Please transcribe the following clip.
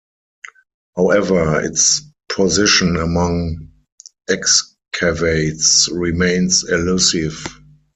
However, its position among excavates remains elusive.